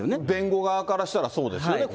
弁護側からしたらそうですよね。